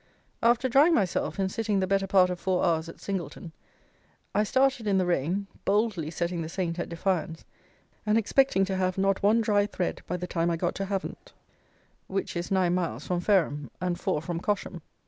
After drying myself, and sitting the better part of four hours at Singleton, I started in the rain, boldly setting the Saint at defiance, and expecting to have not one dry thread by the time I got to Havant, which is nine miles from Fareham, and four from Cosham.